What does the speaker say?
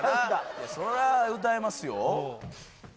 それは歌えますよ